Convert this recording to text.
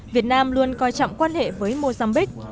việt nam luôn coi trọng quan hệ với mozambique